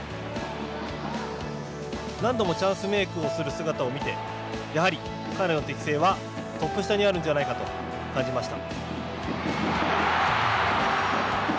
何度もチャンスメークをする姿を見てやはり彼の適性はトップ下にあるんじゃないかと感じました。